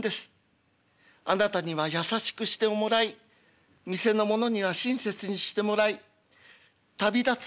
あなたには優しくしてもらい店の者には親切にしてもらい旅立つ